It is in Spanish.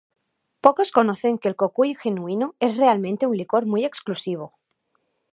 Pocos conocen que el cocuy genuino es realmente un licor muy exclusivo.